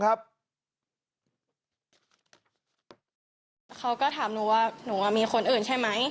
เขาก็ถามหนูว่าหนูมีคนอื่นใช่ไหม